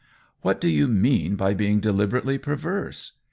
" What do you mean by being deliberate ly perverse